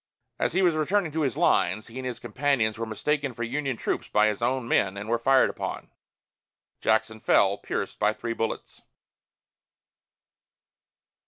As he was returning to his lines, he and his companions were mistaken for Union troops by his own men and were fired upon. Jackson fell, pierced by three bullets.